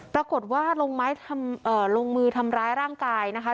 ปรากฏว่าลงมือทำร้ายร่างกายนะคะ